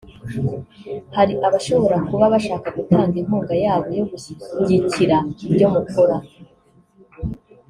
Hari abashobora kuba bashaka gutanga inkunga yabo yo gushyigikira ibyo mukora